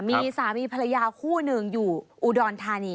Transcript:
มีสามีภรรยาคู่หนึ่งอยู่อุดรธานี